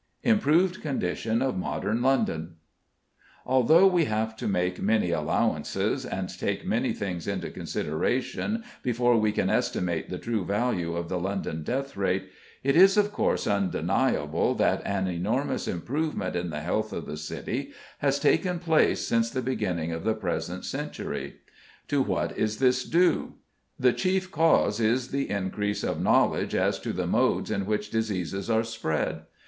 IMPROVED CONDITION OF MODERN LONDON. Although we have to make many allowances, and take many things into consideration before we can estimate the true value of the London death rate, it is, of course, undeniable that an enormous improvement in the health of the City has taken place since the beginning of the present century. To what is this due? The chief cause is the increase of knowledge as to the modes in which diseases are spread.